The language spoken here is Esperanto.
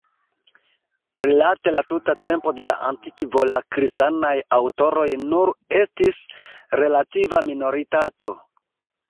Rilate la tuta tempo de la antikvo la kristanaj aŭtoroj nur estis relativa minoritato.